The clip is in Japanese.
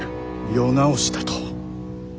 世直しだと？